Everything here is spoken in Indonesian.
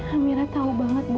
amirah tau banget ibu